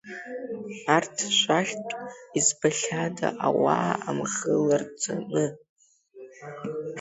Арҭ шәахьтә избахьада ауаа амхы ларҵоны?